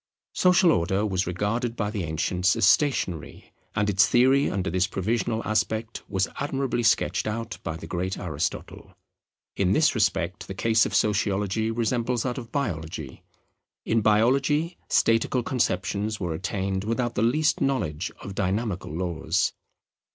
Social Order was regarded by the ancients as stationary: and its theory under this provisional aspect was admirably sketched out by the great Aristotle. In this respect the case of Sociology resembles that of Biology. In Biology statical conceptions were attained without the least knowledge of dynamical laws.